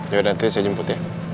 yaudah nanti saya jemput ya